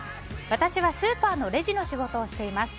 私はスーパーのレジの仕事をしています。